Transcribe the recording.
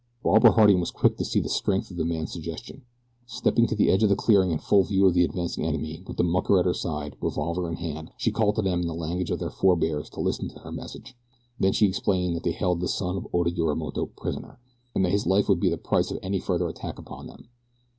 Barbara Harding was quick to see the strength of the man's suggestion. Stepping to the edge of the clearing in full view of the advancing enemy, with the mucker at her side, revolver in hand, she called to them in the language of their forbears to listen to her message. Then she explained that they held the son of Oda Yorimoto prisoner, and that his life would be the price of any further attack upon them.